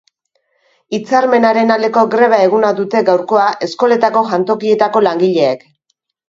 Hitzarmenaren aldeko greba eguna dute gaurkoa eskoletako jantokietako langileek.